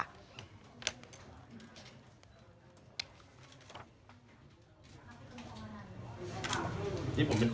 นี่ผมเป็น